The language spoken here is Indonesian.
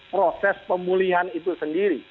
proses pemulihan itu sendiri